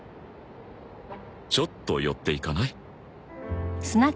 ちょっと寄っていかない？